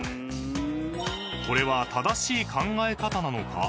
［これは正しい考え方なのか？］